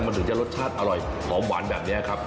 มันถึงจะรสชาติอร่อยหอมหวานแบบนี้ครับ